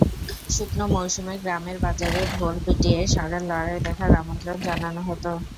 শুকনো মৌসুমে গ্রামের বাজারে ঢোল পিটিয়ে ষাঁড়ের লড়াই দেখার আমন্ত্রন জানানো হতো।